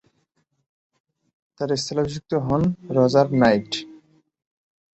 তার স্থলাভিষিক্ত হন রজার নাইট।